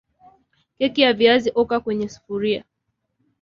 Keki ya viazi oka kwenye sufuria